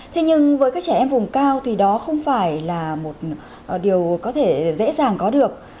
thế nhưng với các trẻ em vùng cao thì đó không phải là một điều có thể dễ dàng có được